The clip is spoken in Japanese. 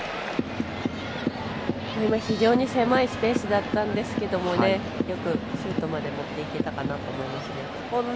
非常に狭いスペースだったんですけどよくシュートまで持っていけたかなと思いますね。